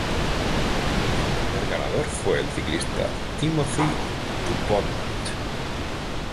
El primer ganador fue el ciclista Timothy Dupont.